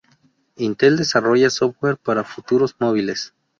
Intel desarrolla software para futuros móviles.